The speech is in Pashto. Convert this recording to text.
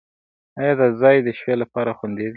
ایا دا ځای د شپې لپاره خوندي دی؟